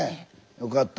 よかった。